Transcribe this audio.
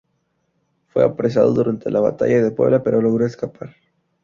Fue apresado durante la batalla de Puebla pero logró escapar.